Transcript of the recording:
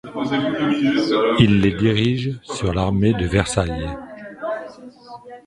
Il les dirige sur l'armée de Versailles.